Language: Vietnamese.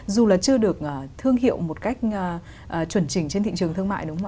dù là chưa được thương hiệu một cách